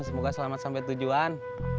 semoga selamat sampai tujuan